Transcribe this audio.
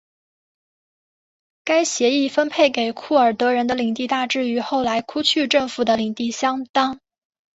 该协议分配给库尔德人的领地大致与后来库区政府的领地相当。